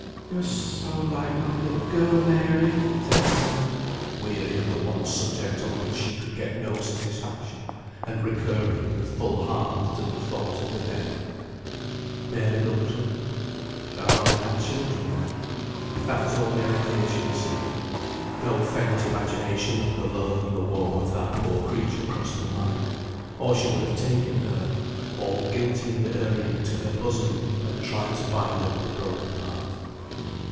"You are so like my little girl, Mary!" said Esther, weary of the one subject on which she could get no satisfaction, and recurring, with full heart, to the thought of the dead. Mary looked up. Her aunt had children, then. That was all the idea she received. No faint imagination of the love and the woe of that poor creature crossed her mind, or she would have taken her, all guilty and erring, to her bosom, and tried to bind up the broken heart.